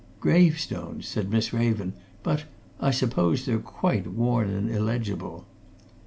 "Gravestones!" said Miss Raven. "But I suppose they're quite worn and illegible."